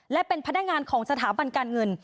และเป็นพนักงานของสถาบันการเงิน